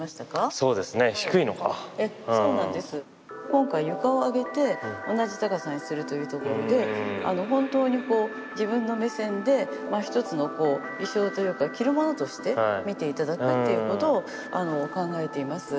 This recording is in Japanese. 今回床を上げて同じ高さにするというところで本当に自分の目線で一つの衣装というか着るものとして見て頂くということを考えています。